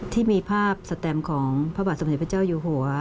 ที่มีภาพสแตมของพระบาทสมเด็จพระเจ้าอยู่หัว